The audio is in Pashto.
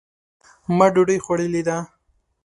ما ډوډۍ خوړلې ده.